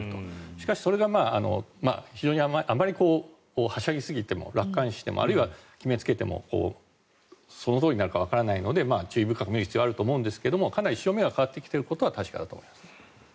しかし、それがあまりはしゃぎすぎても楽観視してもあるいは決めつけてもそのとおりになるかわからないので注意深く見る必要はありますが潮目が変わってきているのは確かだと思います。